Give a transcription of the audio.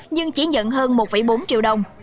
nhưng chỉ nhận hơn một bốn triệu đồng